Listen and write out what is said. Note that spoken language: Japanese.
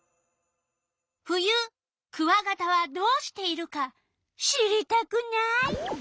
冬クワガタはどうしているか知りたくない？